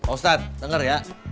ustadz denger ya